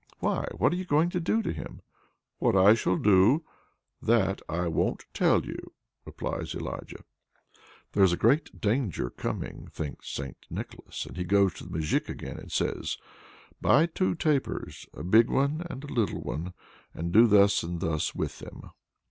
"Why, what are you going to do to him?" "What I shall do, that I won't tell you," replies Elijah. "There's a great danger coming," thinks St. Nicholas, and he goes to the Moujik again, and says: "Buy two tapers, a big one and a little one, and do thus and thus with them."